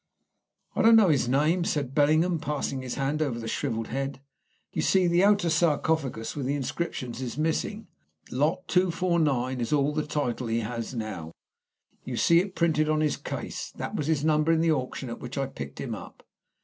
"I don't know his name," said Bellingham, passing his hand over the shrivelled head. "You see the outer sarcophagus with the inscriptions is missing. Lot 249 is all the title he has now. You see it printed on his case. That was his number in the auction at which I picked him up."